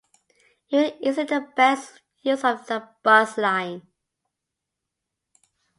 It really isn’t the best use of that bus line.